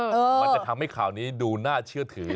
มันจะทำให้ข่าวนี้ดูน่าเชื่อถือ